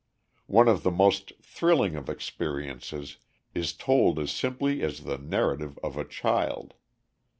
One of the most thrilling of experiences is told as simply as the narrative of a child.